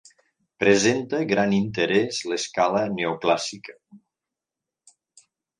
Presenta gran interès l'escala neoclàssica.